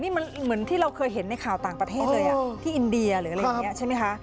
นี่มันเหมือนที่เราเคยเห็นในข่าวต่างประเทศเลยที่อินเดียหรืออะไรอย่างนี้ใช่ไหมคะ